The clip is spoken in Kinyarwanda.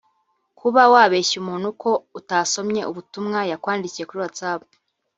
Kuba wabeshya umuntu ko utasomye ubutumwa yakwandikiye kuri WhatsApp